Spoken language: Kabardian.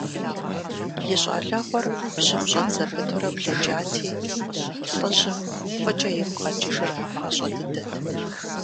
И щӀалэгъуэр бжьым щӀэт зэпытурэ блэкӀати, лӀыжьым фӀыкӀэ игу къэкӀыжыр мащӀэ дыдэт.